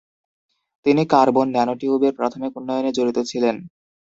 তিনি কার্বন ন্যানোটিউবের প্রাথমিক উন্নয়নে জড়িত ছিলেন।